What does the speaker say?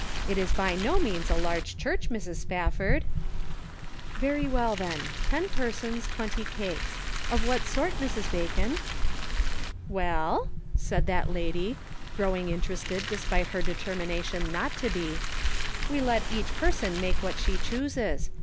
It is by no means a large church, Mrs. Spafford." " Very well ; ten persons, twenty cakes. Of what sort, Mrs. Bacon?" "Well," said that lady, growing interested despite her determination not to be, "we let each person make what she chooses.